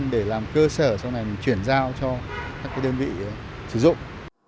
để làm cơ sở sau này mình chuyển giao cho các đơn vị sử dụng